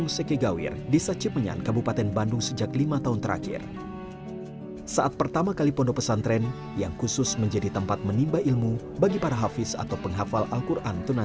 saya tidak mau menjadi orang yang buta